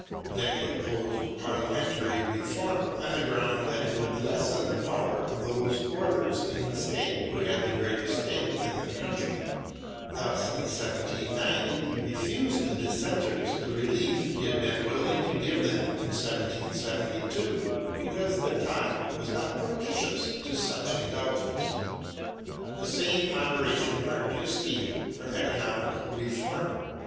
Then he opposed Parliamentary Re form on the ground that it would lessen the power of those orders in the State who had the greatest stake in the country. Thus in 1790 he refused the Dissenters the relief he had been willing to give them in 1 772 because the time was not propitious to such indulgence. The same moderation marked his scheme for Economical Reform.